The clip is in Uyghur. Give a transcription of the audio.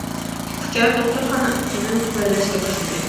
تىك ئۇچار دوختۇرخانا ئۈستىدىن تۆۋەنلەشكە باشلىدى.